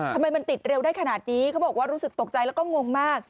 ทำไมมันติดเร็วได้ขนาดนี้เขาบอกว่ารู้สึกตกใจแล้วก็งงมาก